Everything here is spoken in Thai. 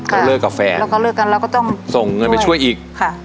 เขาเลิกกับแฟนแล้วเขาเลิกกันเราก็ต้องส่งเงินไปช่วยอีกค่ะ